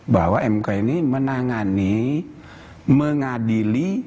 bahwa mk ini menangani mengadili